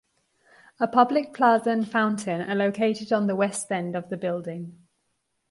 A public plaza and fountain are located on the west end of the building.